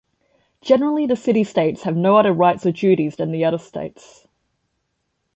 Generally, the city-states have no other rights or duties than the other states.